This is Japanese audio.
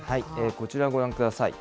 こちらをご覧ください。